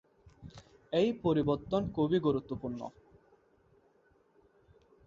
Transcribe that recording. এই পরিবর্তন খুবই গুরুত্বপূর্ণ।